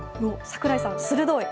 櫻井さん、鋭い。